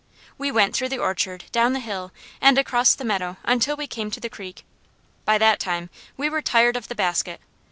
We went through the orchard, down the hill and across the meadow until we came to the creek. By that time we were tired of the basket.